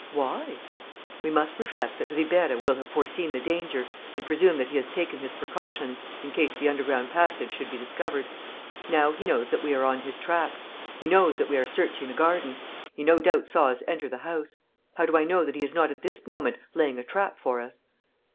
"Why?" "We must reflect that Ribeira will have foreseen the danger and presume that he has taken his precautions, in case the underground passage should be discovered. Now he knows that we are on his track. He knows that we are searching the garden. He no doubt saw us enter the house. How do I know that he is not at this moment laying a trap for us?"